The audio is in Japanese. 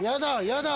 やだ。